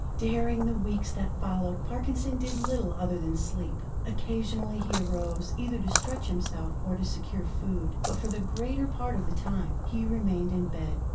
Daring the weeks that followed, Parkinson did little other than sleep. Occasionally he arose, either to stretch himself, or to secure food, but for the greater part of the time he remained in bed.